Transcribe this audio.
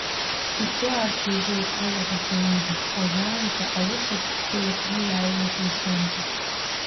Игәы аабжьажьеит лылаӷырӡ аниба, уажәраанӡа аус атәыҩа кны иааиуаз Иасонгьы.